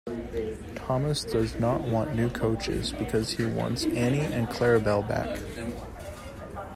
Thomas does not want new coaches because he wants Annie and Clarabel back.